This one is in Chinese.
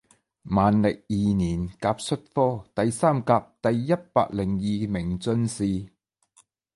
万历二年甲戌科第三甲第一百零二名进士。